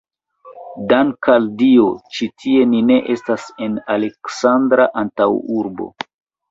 Dank' al Dio, ĉi tie ni ne estas en Aleksandra antaŭurbo!